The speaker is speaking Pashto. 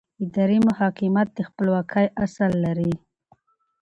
اداري محاکم د خپلواکۍ اصل لري.